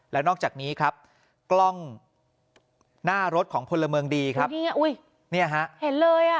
แล้วนอกจากนี้ครับกล้องหน้ารถของพลเมืองดีครับนี่ไงอุ้ยเนี่ยฮะเห็นเลยอ่ะ